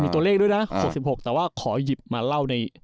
มีตัวเลขด้วยน่ะอ่าหกสิบหกแต่ว่าขอยิบมาเล่าใน